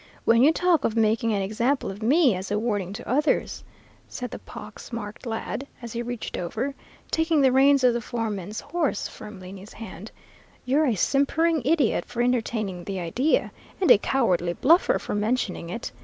When you talk of making an example of me as a warning to others,' said the pox marked lad, as he reached over, taking the reins of the foreman's horse firmly in his hand, 'you're a simpering idiot for entertaining the idea, and a cowardly bluffer for mentioning it.